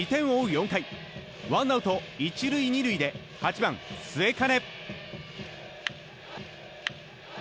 ４回ワンアウト１塁２塁で８番、末包。